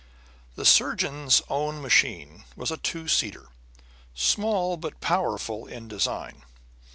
The surgeon's own machine was a two seater, small but powerful in design.